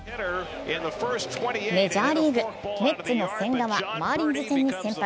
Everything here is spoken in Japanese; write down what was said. メジャーリーグ、メッツの千賀はマーリンズ戦に先発。